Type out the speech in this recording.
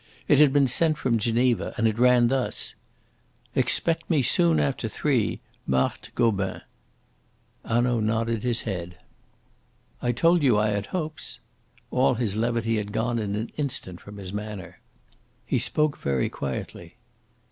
It had been sent from Geneva, and it ran thus: "Expect me soon after three. MARTHE GOBIN." Hanaud nodded his head. "I told you I had hopes." All his levity had gone in an instant from his manner. He spoke very quietly.